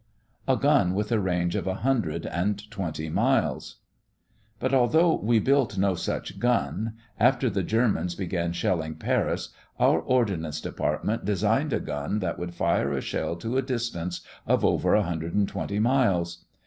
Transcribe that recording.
A GUN WITH A RANGE OF A HUNDRED AND TWENTY MILES But although we built no such gun, after the Germans began shelling Paris our Ordnance Department designed a gun that would fire a shell to a distance of over 120 miles!